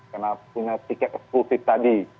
karena punya tiket eksklusif tadi